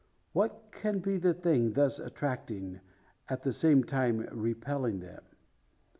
What can be the thing thus attracting, at the same time repelling them?